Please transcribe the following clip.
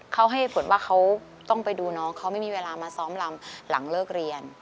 เขาให้เหตุผลว่าเขาต้องไปดูน้องเขาไม่มีเวลามาซ้อมลำหลังเลิกเรียน